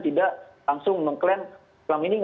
tidak langsung mengklaim